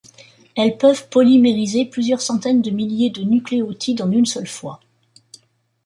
Elles peuvent polymériser plusieurs centaines de milliers de nucléotides en une seule fois.